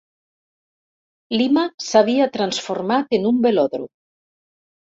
Lima s'havia transformat en un velòdrom.